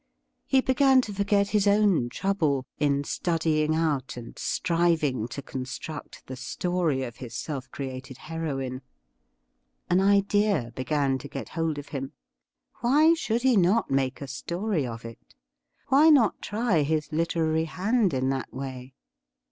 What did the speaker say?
He began to forget his own trouble in studying out and striving to construct the story of his self created heroine. An idea began to get hold of him. Why should he not make a story of it .'' Why not try his literary hand in that way